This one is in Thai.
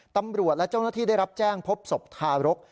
ตำรวจและเจ้าหน้าที่ได้รับแจ้งพบศพทารก